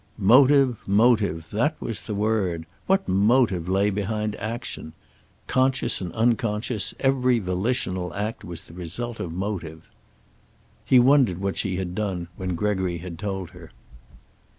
Motive, motive, that was the word. What motive lay behind action. Conscious and unconscious, every volitional act was the result of motive. He wondered what she had done when Gregory had told her.